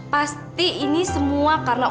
pasti ini semua karena